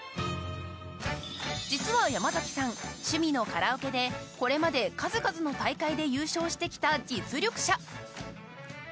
実は山崎さん、趣味のカラオケでこれまで数々の大会で優勝してきた実力者。